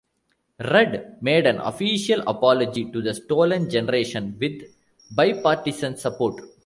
Rudd made an official apology to the "Stolen Generation" with bi-partisan support.